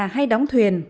hay đóng thuyền